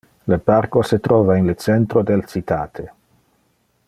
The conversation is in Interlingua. Le parco se trova in le centro del citate.